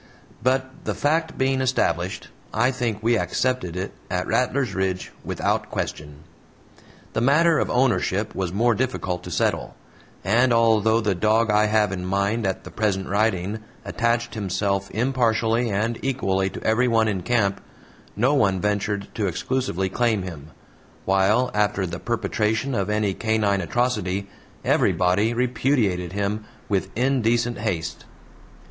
But the fact being established, I think we accepted it at Rattlers Ridge without question. The matter of ownership was more difficult to settle; and although the dog I have in my mind at the present writing attached himself impartially and equally to everyone in camp, no one ventured to exclusively claim him; while, after the perpetration of any canine atrocity, everybody repudiated him with indecent haste.